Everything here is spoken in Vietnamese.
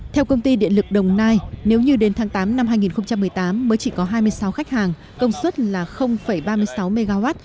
theo công ty điện lực đồng nai nếu như đến tháng tám năm hai nghìn một mươi tám mới chỉ có hai mươi sáu khách hàng công suất là ba mươi sáu mw